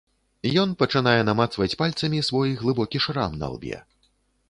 Ён пачынае намацваць пальцамі свой глыбокі шрам на лбе.